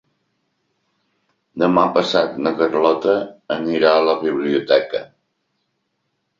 Demà passat na Carlota anirà a la biblioteca.